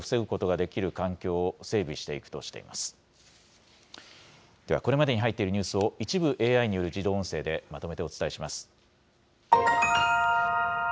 では、これまでに入っているニュースを、一部、ＡＩによる自動音声でまとめてお伝えします。